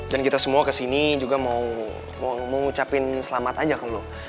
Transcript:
dan kita semua kesini juga mau ngucapin selamat aja ke lo